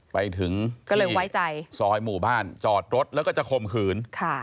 ไปถึงที่ซอยหมู่บ้านจอดรถแล้วก็จะคมขืน